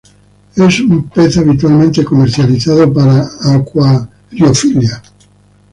Es un pez habitualmente comercializado para acuariofilia.